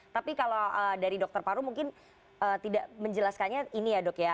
tapi kalau dari dokter paru mungkin tidak menjelaskannya ini ya dok ya